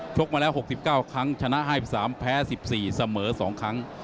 กมาแล้ว๖๙ครั้งชนะ๕๓แพ้๑๔เสมอ๒ครั้ง